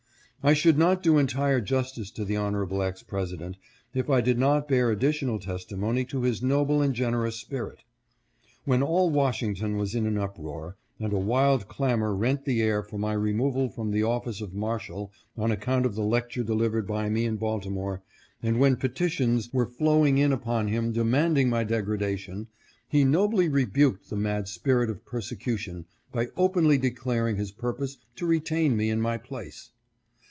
I should not do entire justice to the Honorable ex President if I did not bear additional testimony to his noble and generous spirit. When all Washington was in an uproar, and a wild clamor rent the air for my removal from the office of Marshal on account of the lecture delivered by me in Baltimore and when petitions were flow ing in upon him demanding my degradation, he nobly rebuked the mad spirit of persecution by openly declaring his purpose to retain me in my place.